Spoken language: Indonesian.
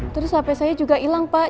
terus hp saya juga hilang pak